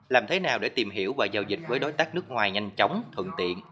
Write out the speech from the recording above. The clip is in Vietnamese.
làm thế nào để tìm hiểu và giao dịch với đối tác nước ngoài nhanh chóng thuận tiện